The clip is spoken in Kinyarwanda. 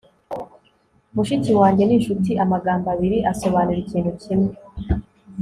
mushiki wanjye n'inshuti. amagambo abiri asobanura ikintu kimwe